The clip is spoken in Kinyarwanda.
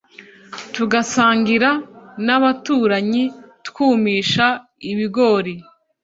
tugasangira nabaturanyi Twumisha ibigori